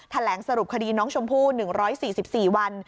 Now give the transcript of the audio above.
แถลงสรุปคดีน้องชมพู่๑๔๔วัน